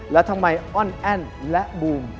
และทำไมอ้อนแอนด์และบูม